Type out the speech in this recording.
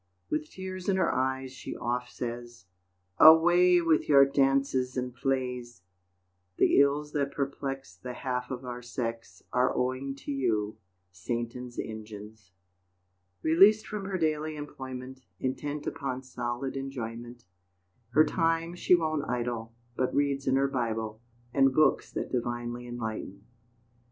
With tears in her eyes she oft says, "Away with your dances and plays! The ills that perplex The half of our sex Are owing to you, Satan's engines." Released from her daily employment, Intent upon solid enjoyment, Her time she won't idle, But reads in her Bible, And books that divinely enlighten.